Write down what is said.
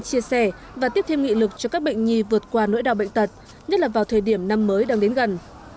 chia sẻ và tiếp thêm nghị lực cho các bệnh nhi vượt qua nỗi đau bệnh tật nhất là vào thời điểm năm mới đang đến gần